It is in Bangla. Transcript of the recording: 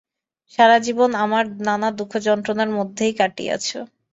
সারা জীবন আমার নানা দুঃখযন্ত্রণার মধ্যেই কাটিয়াছে।